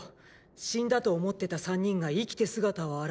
死んだと思ってた３人が生きて姿を現した時は。